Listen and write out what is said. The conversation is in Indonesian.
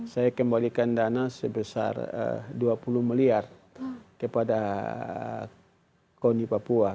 saya kembalikan dana sebesar dua puluh miliar kepada koni papua